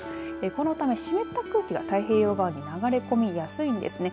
このため湿った空気が太平洋側に流れ込みやすいんですね。